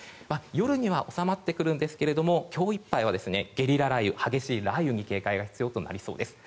夜には収まってくるんですが今日いっぱいはゲリラ雷雨、激しい雷雨に警戒が必要となりそうです。